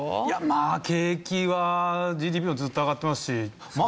まあ景気はＧＤＰもずっと上がってますしま